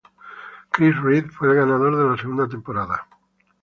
Chris Reed fue el ganador de la segunda temporada.